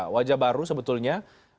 wajah baru sebetulnya